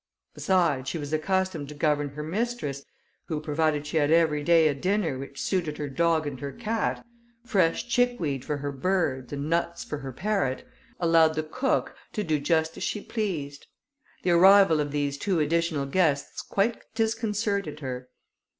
Besides, she was accustomed to govern her mistress, who, provided she had every day a dinner which suited her dog and her cat, fresh chickweed for her birds, and nuts for her parrot, allowed the cook to do just as she pleased. The arrival of these two additional guests quite disconcerted her.